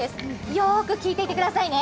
よーく聞いていてくださいね。